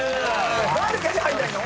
何で手に入んないの？